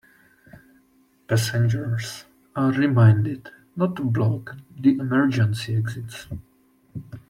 Passengers are reminded not to block the emergency exits.